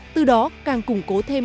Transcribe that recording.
từ đó càng củng cố thêm